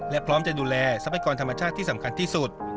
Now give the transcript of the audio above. และพร้อมจะดูแลทรัพยากรธรรมชาติที่สำคัญที่สุด